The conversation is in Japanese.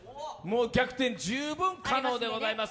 逆転、十分可能でございます。